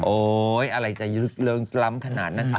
โอ๊ยอะไรจะเริงสล้ำขนาดนั้น